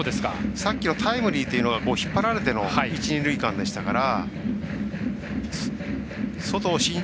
さっきのタイムリーというのは引っ張られての一、二塁間でしたから。